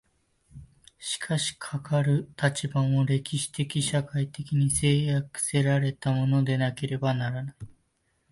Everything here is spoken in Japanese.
しかしかかる立場も、歴史的社会的に制約せられたものでなければならない。